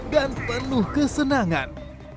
dan penuh kesenangan